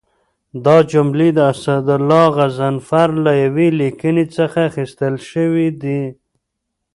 دا جملې د اسدالله غضنفر له یوې لیکنې څخه اخیستل شوي دي.